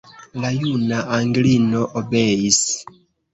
La juna Anglino obeis.